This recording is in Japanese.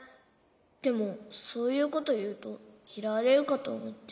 でもそういうこというときらわれるかとおもって。